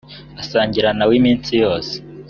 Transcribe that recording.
asangira na we iminsi yose.